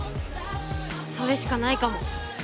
それしかないかも。